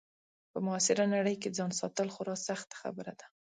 په معاصره نړۍ کې ځان ساتل خورا سخته خبره ده.